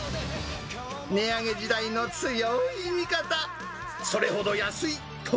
値上げ時代の強い味方。